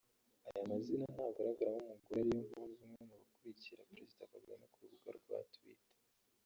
Aya mazina ntagaragaramo umugore ariyo mpamvu umwe mu bakurikira Perezida Kagame ku rubuga rwa Twitter